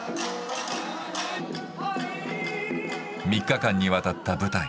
３日間にわたった舞台。